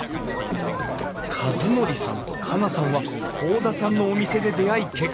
和憲さんと佳奈さんは甲田さんのお店で出会い結婚。